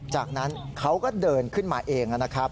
จากนั้นเขาก็เดินขึ้นมาเองนะครับ